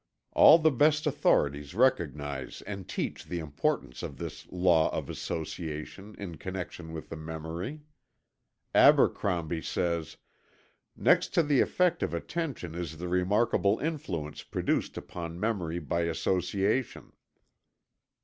All the best authorities recognize and teach the importance of this law of association, in connection with the memory. Abercrombie says: "Next to the effect of attention is the remarkable influence produced upon memory by association."